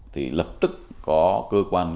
thì lập tức có cơ quan